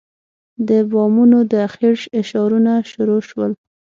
د بامونو د اخېړ اشارونه شروع شول.